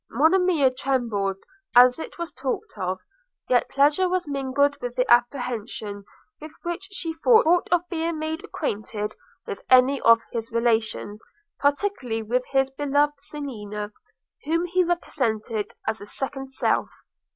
Monimia trembled as it was talked of; yet pleasure was mingled with the apprehension with which she thought of being made acquainted with any of his relations, particularly with his beloved Selina, whom he represented as a second self.